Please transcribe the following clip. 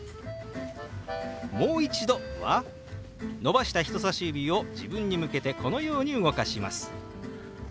「もう一度」は伸ばした人さし指を自分に向けてこのように動かします。